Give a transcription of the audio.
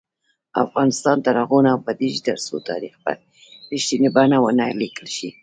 افغانستان تر هغو نه ابادیږي، ترڅو تاریخ په رښتینې بڼه ونه لیکل شي.